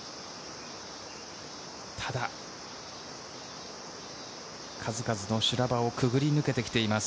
ただ、数々の修羅場をくぐり抜けてきています